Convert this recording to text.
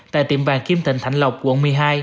tại tiệm vàng kim tịnh thạnh lộc quận một mươi hai